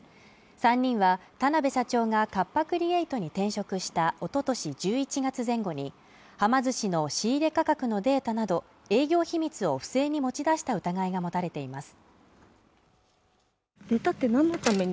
３人は田辺社長がカッパ・クリエイトに転職したおととし１１月前後にはま寿司の仕入れ価格のデータなど営業秘密を不正に持ち出した疑いが持たれています